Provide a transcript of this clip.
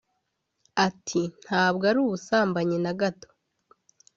Ati “Ntabwo ari ubusambanyi na gato